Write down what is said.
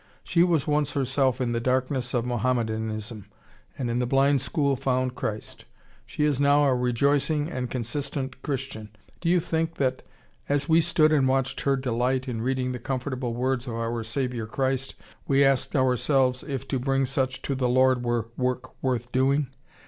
She was once herself in the darkness of Mohammedanism, and in the Blind School found Christ. She is now a rejoicing and consistent Christian. Do you think that, as we stood and watched her delight in reading the comfortable words of our Saviour Christ, we asked ourselves if to bring such to the Lord were work worth doing?